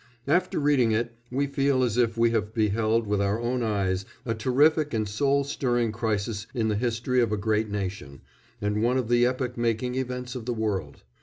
After reading it we feel as if we have beheld with our own eyes a terrific and soul stirring crisis in the history of a great nation, and one of the epoch making events of the world.